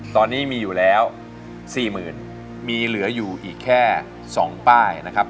ตอนนี้มีอยู่แล้ว๔๐๐๐มีเหลืออยู่อีกแค่๒ป้ายนะครับ